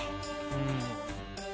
うん。